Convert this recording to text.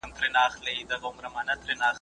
ماشوم بې پلاره سو